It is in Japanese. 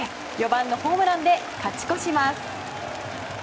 ４番のホームランで勝ち越します。